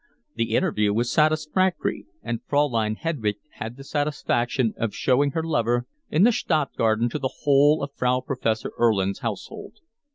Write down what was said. The interview was satisfactory and Fraulein Hedwig had the satisfaction of showing her lover in the Stadtgarten to the whole of Frau Professor Erlin's household.